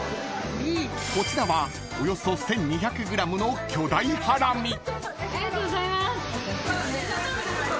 ［こちらはおよそ１，２００ｇの巨大ハラミ］ありがとうございます！